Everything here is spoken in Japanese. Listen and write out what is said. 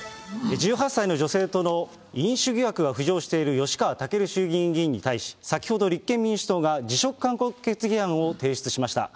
１８歳の女性との飲酒疑惑が浮上している吉川赳衆議院議員に対し、先ほど立憲民主党が辞職勧告決議案を提出しました。